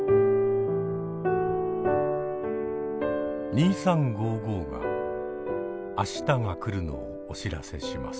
「２３」が明日が来るのをお知らせします。